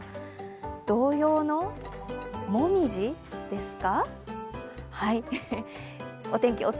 童謡の「もみじ」ですか？